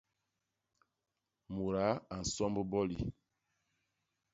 Mudaa a nsomb boli.